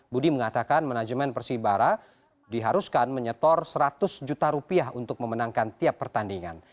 budi mengatakan manajemen persibara diharuskan menyetor seratus juta rupiah untuk memenangkan tiap pertandingan